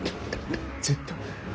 ずっと。